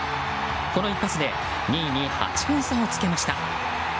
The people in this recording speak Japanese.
この一発で２位に８本差をつけました。